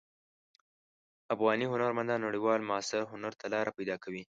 افغاني هنرمندان نړیوال معاصر هنر ته لاره پیدا کوي.